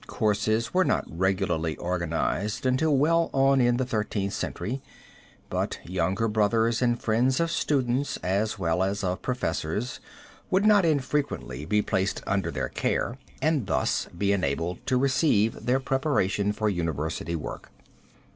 Courses were not regularly organized until well on in the Thirteenth Century, but younger brothers and friends of students as well as of professors would not infrequently be placed under their care and thus be enabled to receive their preparation for university work.